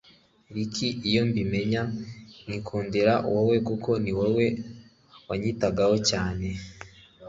Ricky iyo mbimenya nkikundira wowe kuko ni wowe wanyitagaho cyane